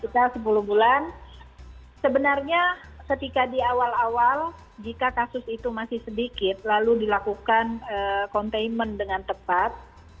setelah sepuluh bulan sebenarnya ketika di awal awal jika kasus itu masih sedikit lalu dilakukan containment dengan tepat